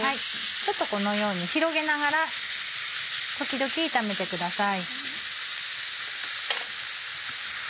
ちょっとこのように広げながら時々炒めてください。